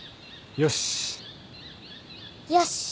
よし。